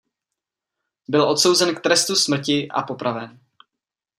Byl odsouzen k trestu smrti a popraven.